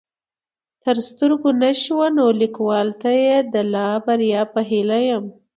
تر سترګو نه شوه نو ليکوال ته يې د لا بريا په هيله يم